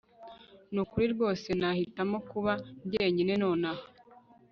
Nukuri rwose nahitamo kuba jyenyine nonaha